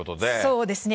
そうですね。